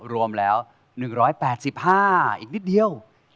รวมแล้ว๑๘๕อีกนิดเดียว